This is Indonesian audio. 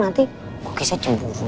nanti kukisnya cemburu